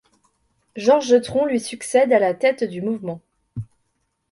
Georges Tron lui succède à la tête du mouvement.